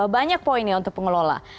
banyak poinnya untuk pengelola